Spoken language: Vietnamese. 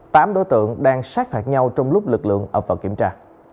tám đối tượng đang sát phạt nhau trong lúc lực lượng ập vào kiểm tra